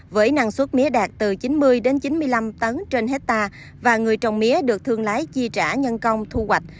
với năng suất mía đạt từ chín mươi đến chín mươi năm tấn trên hectare và người trồng mía được thương lái chi trả nhân công thu hoạch